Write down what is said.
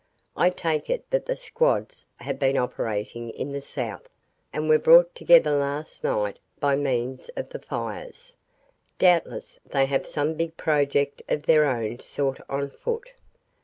I take it that the squads have been operating in the south and were brought together last night by means of the fires. Doubtless they have some big project of their own sort on foot."